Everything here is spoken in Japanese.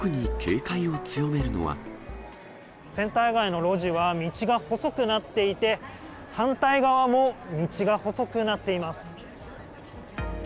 センター街の路地は、道が細くなっていて、反対側も道が細くなっています。